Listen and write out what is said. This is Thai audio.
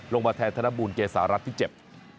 ลงมาแทนธนบูลเกษารัฐที่เจ็บ